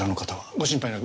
ご心配なく。